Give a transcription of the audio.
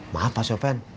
maaf pak sofyan